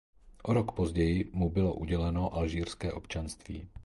O rok později mu bylo uděleno alžírské občanství.